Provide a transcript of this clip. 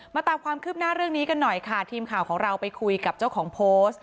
ตามความคืบหน้าเรื่องนี้กันหน่อยค่ะทีมข่าวของเราไปคุยกับเจ้าของโพสต์